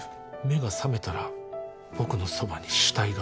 目が覚めたら僕のそばに死体があった。